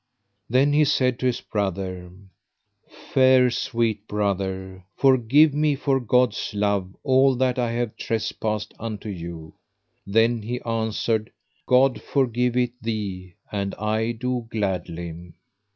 Then he said to his brother: Fair sweet brother, forgive me for God's love all that I have trespassed unto you. Then he answered: God forgive it thee and I do gladly.